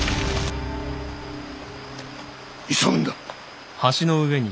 急ぐんだ。